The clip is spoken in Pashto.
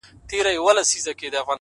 نیک اخلاق د زړونو پلونه جوړوي’